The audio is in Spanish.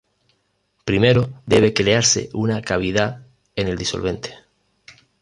Primero debe crearse una cavidad en el disolvente.